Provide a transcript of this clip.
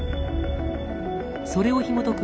それをひもとく